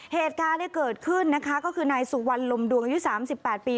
เหตุการณ์ที่เกิดขึ้นนะคะก็คือนายสุวรรณลมดวงอายุ๓๘ปี